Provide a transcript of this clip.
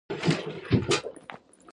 په هیڅ پړاو یې بد درته یاد نه وي.